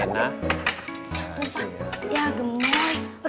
satu empat ya gemar